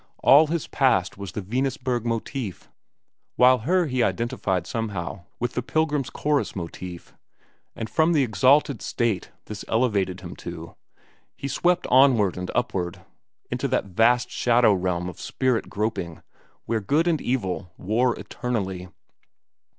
All his past was the Venusburg motif, while her he identified somehow with the Pilgrim's Chorus motif; and from the exalted state this elevated him to, he swept onward and upward into that vast shadow realm of spirit groping, where good and evil war eternally.